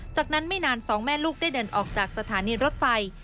จากนั้นไม่นานสองแม่ลูกได้เดินออกจากสถานีรถไฟ